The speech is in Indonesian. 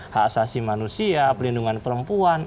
hak asasi manusia pelindungan perempuan